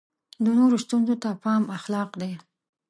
د نورو ستونزو ته پام اخلاق دی.